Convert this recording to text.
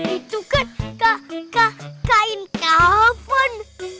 itu kan kain kapur